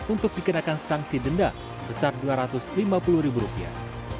untuk dikenakan sanksi denda sebesar dua ratus lima puluh ribu rupiah